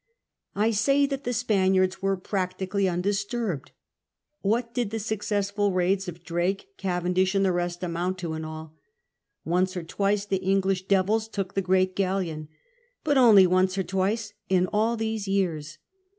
I say that the Spaniards were practically undisturbed. What did the successful raids of Drake, Cavendish, and the rest amount to in all ? Once or twice the English devils took the great galleon. But only once or twice in all these years.